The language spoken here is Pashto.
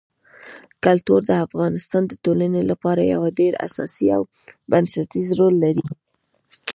کلتور د افغانستان د ټولنې لپاره یو ډېر اساسي او بنسټيز رول لري.